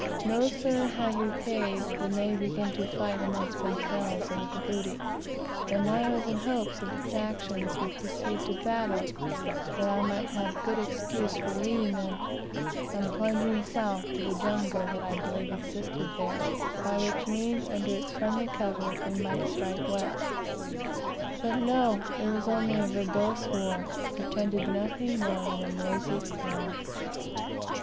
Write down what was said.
No sooner had we paid than they began to fight amongst themselves over the booty, and I was in hopes that the factions would proceed to battle, that I might have good excuse for leaving them, and plunging south to the jungle that I believed existed there, by which means, under its friendly cover, we might strike west. But no, it was only a verbose war, which portended nothing more than a noisy clamor.